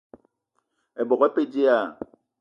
Ebok e pe dilaah?